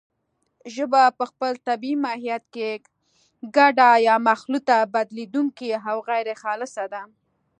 ژبه په خپل طبیعي ماهیت کې ګډه یا مخلوطه، بدلېدونکې او غیرخالصه ده